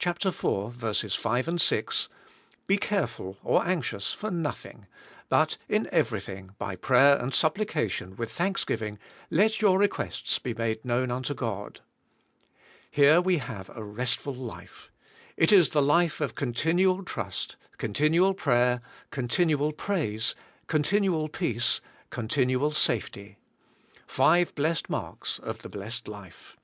4: 5 6— " Be careful (or anxious) for nothing, but in everything by prayer and supplication with thanksgiving let your requests be made known unto God." Here we have a restful life. It is the life of continual trust, continual pra^^er, continual praise, continual peace, continual safety. Five blessed marks of the blessed life.